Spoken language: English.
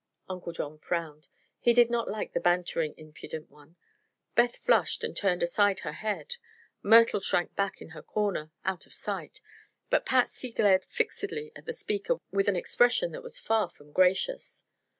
Uncle John frowned. He did not like the bantering, impudent tone. Beth flushed and turned aside her head; Myrtle shrank back in her corner out of sight; but Patsy glared fixedly at the speaker with an expression that was far from gracious.